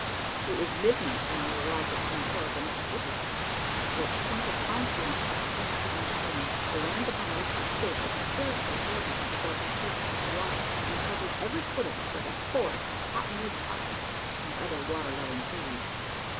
It was midnight when we arrived upon the shore of the Mississippi at its point of confluence with the Tennessean stream. The land upon which we stood was scarcely elevated above the surface of the water; and covered, every foot of it, with a forest of the cotton wood poplar, and other water loving trees.